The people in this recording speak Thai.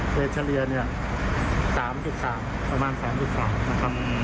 เดชเรียน๓๓ประมาณ๓๓นะครับ